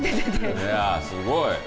いや、すごい。